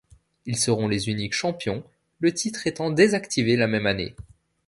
Ils seront les uniques champions, le titre étant désactivé la même année.